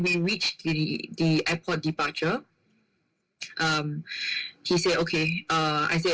ผมบอกว่าเราต้องจัดการทั้งหมดแล้วเริ่มสร้าง